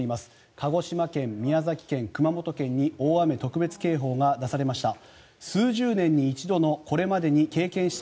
鹿児島県、宮崎県、熊本県に大雨特別警報が出されました。